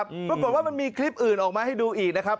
ปรากฏว่ามันมีคลิปอื่นออกมาให้ดูอีกนะครับ